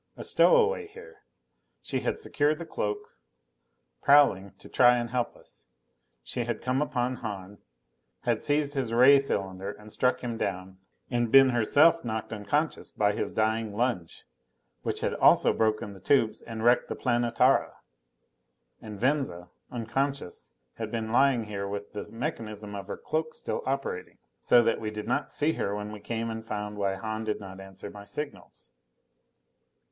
A stowaway here. She had secured the cloak. Prowling, to try and help us, she had come upon Hahn. Had seized his ray cylinder and struck him down, and been herself knocked unconscious by his dying lunge, which also had broken the tubes and wrecked the Planetara. And Venza, unconscious, had been lying here with the mechanism of her cloak still operating, so that we did not see her when we came and found why Hahn did not answer my signals.